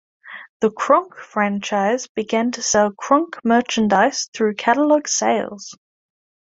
The Kronk "franchise" began to sell Kronk merchandise through catalog sales.